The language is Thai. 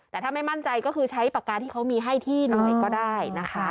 แต่ถ้าไม่มั่นใจก็คือใช้ปากกาที่เขามีให้ที่หน่วยก็ได้นะคะ